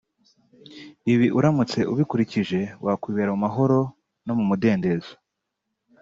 Ibi uramutse ubikurikije wakwibera mu mahoro no mu mudendezo